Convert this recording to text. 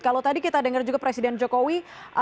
kalau tadi kita dengar juga presiden jokowi